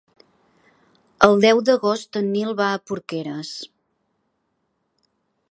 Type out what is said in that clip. El deu d'agost en Nil va a Porqueres.